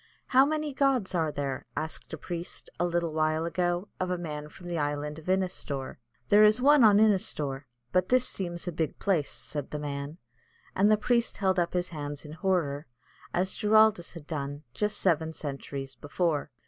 "How many gods are there?" asked a priest, a little while ago, of a man from the Island of Innistor. "There is one on Innistor; but this seems a big place," said the man, and the priest held up his hands in horror, as Giraldus had, just seven centuries before.